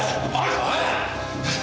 おい！